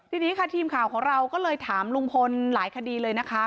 ทีนี้ค่ะทีมข่าวของเราก็เลยถามลุงพลหลายคดีเลยนะคะ